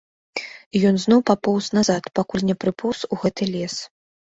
І ён зноў папоўз назад, пакуль не прыпоўз у гэты лес.